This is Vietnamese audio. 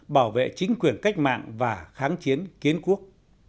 bảo vệ chính quyền cách mạng và kháng chiến kiến quốc